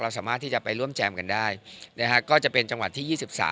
สามารถที่จะไปร่วมแจมกันได้ก็จะเป็นจังหวัดที่๒๓